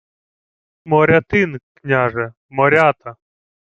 — Морятин, княже, Морята.